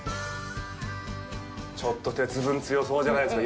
ちょっと鉄分、強そうじゃないですか。